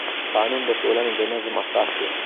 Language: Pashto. قانون د ټولنې د نظم اساس دی.